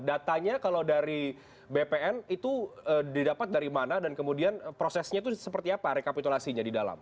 datanya kalau dari bpn itu didapat dari mana dan kemudian prosesnya itu seperti apa rekapitulasinya di dalam